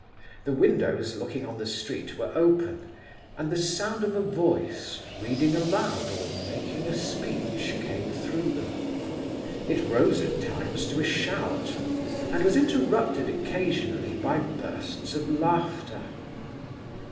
The windows looking on the street were open, and the sound of a voice, reading aloud or making a speech, came through them. It rose at times to a shout, and was interrupted occasionally by bursts of laughter.